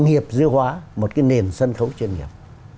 nghiệp dư hóa một cái nền sân khấu chuyên nghiệp